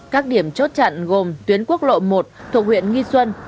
các điểm chốt chặn gồm tuyến quốc lộ một thuộc huyện nghi xuân